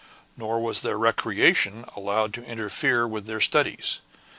Nor was their recreation allowed to interfere with their studies.